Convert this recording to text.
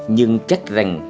nhưng chắc rằng